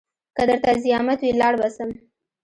که درته زيامت وي لاړ به سم.